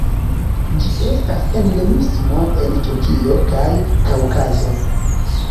Ĝi estas endemismo en Turkio kaj Kaŭkazo.